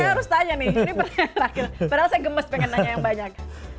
saya harus tanya nih ini peral saya gemes pengen nanya yang banyak